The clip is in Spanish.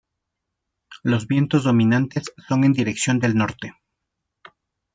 Los vientos dominantes son en dirección del norte.